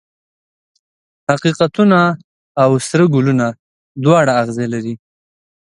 حقیقتونه او سره ګلونه دواړه اغزي لري.